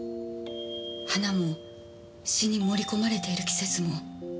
花も詩に盛り込まれている季節も。